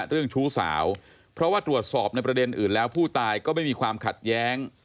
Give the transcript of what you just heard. เรื่องชู้สาวเพราะว่าตรวจสอบในประเด็นอื่นแล้วผู้ตายก็ไม่มีความขัดแย้ง